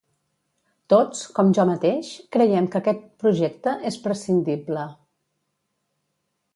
Tots, com jo mateix, creiem que aquest projecte és prescindible.